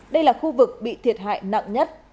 đây là khu vực bị thiệt hại nặng nhất